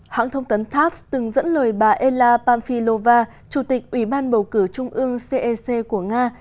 hãng thông tấn tass từng dẫn lời bà ela pamphilova chủ tịch ủy ban bầu cử trung ương cec của nga